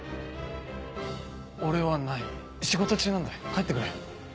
俺はない仕事中なんだ帰ってくれ。